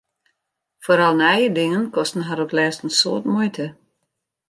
Foaral nije dingen kosten har op 't lêst in soad muoite.